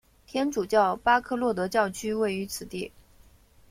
天主教巴科洛德教区位于此地。